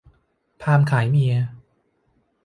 พราหมณ์ขายเมีย